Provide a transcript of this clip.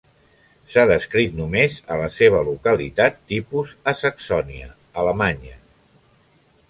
S’ha descrit només a la seva localitat tipus a Saxònia, Alemanya.